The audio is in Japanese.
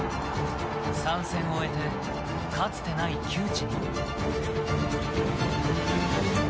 ３戦終えてかつてない窮地に。